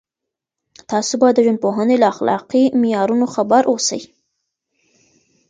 تاسو باید د ژوندپوهنې له اخلاقي معیارونو خبر اوسئ.